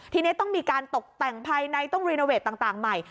ทีนี้ต้องมีการตกแต่งภายในต้องรีโนเวทต่างใหม่